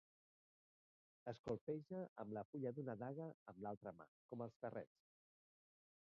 Es colpeja amb la fulla d'una daga, amb l'altra mà, com els ferrets.